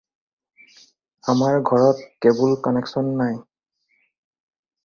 আমাৰ ঘৰত cable connection নাই।